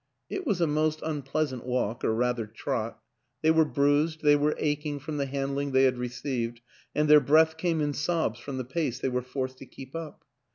It was a most unpleasant walk or rather trot; they were bruised, they were aching from the handling they had received, and their breath came in sobs from the pace they were forced to keep up.